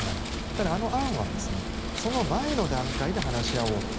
ただ、あの案はその前の段階で話し合おうと。